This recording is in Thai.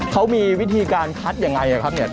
เขามีวิธีการคัดยังไงครับเนี่ย